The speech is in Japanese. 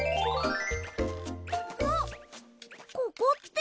あっここって。